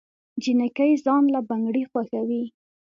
جينکۍ ځان له بنګړي خوښوي